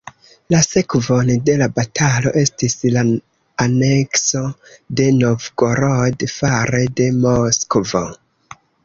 La sekvon de la batalo estis la anekso de Novgorod fare de Moskvo.